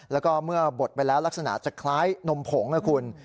แล้วก็เมื่อบดไปแล้วลักษณะจะคล้ายนมผงนะคุณ